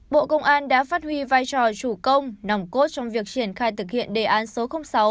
bộ công an đã phát huy vai trò chủ công nòng cốt trong việc triển khai thực hiện đề án số sáu